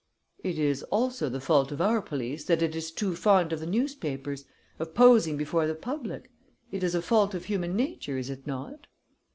"It is also the fault of our police that it is too fond of the newspapers, of posing before the public it is a fault of human nature, is it not?"